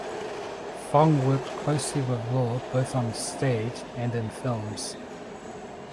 Fong worked closely with Law both on stage and in films.